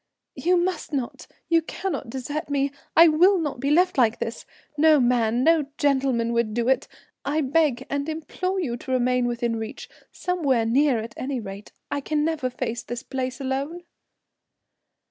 "You must not, you cannot desert me; I will not be left like this. No man, no gentleman would do it. I beg and implore you to remain within reach, somewhere near at any rate. I can never face this place alone."